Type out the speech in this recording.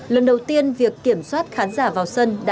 lần đầu tiên việc kiểm soát khán giả vào sân